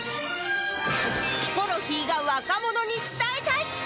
ヒコロヒーが若者に伝えたい